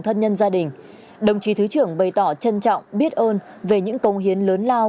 thân nhân gia đình đồng chí thứ trưởng bày tỏ trân trọng biết ơn về những công hiến lớn lao